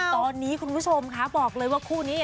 ตอนนี้คุณผู้ชมค่ะบอกเลยว่าคู่นี้